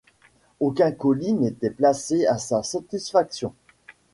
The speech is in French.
Aucun colis n’était placé à sa satisfaction.